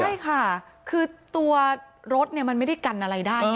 ใช่ค่ะคือตัวรถมันไม่ได้กันอะไรได้